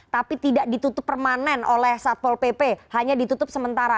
tapi tidak ditutup permanen oleh satpol pp hanya ditutup sementara